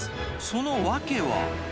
その訳は。